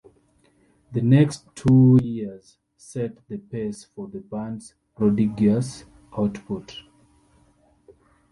The next two years set the pace for the bands prodigious output.